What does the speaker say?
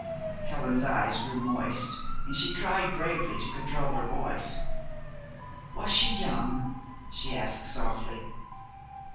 Helen's eyes grew moist; but she tried bravely to control her voice. "Was she young?" she asked softly.